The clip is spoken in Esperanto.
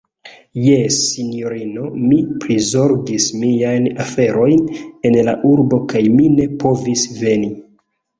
Jes, sinjorino, mi prizorgis miajn aferojn en la urbo kaj mi ne povis veni.